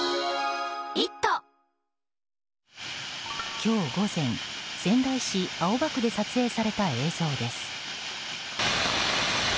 今日午前、仙台市青葉区で撮影された映像です。